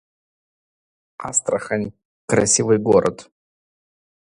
Астрахань — красивый город